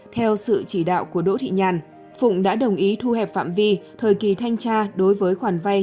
theo sự chỉ đạo của đỗ thị nhàn phụng đã đồng ý thu hẹp phạm vi thời kỳ thanh tra đối với khoản vay